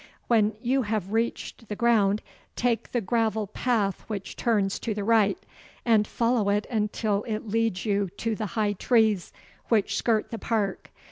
When you have reached the ground, take the gravel path which turns to the right, and follow it until it leads you to the high trees which skirt the park.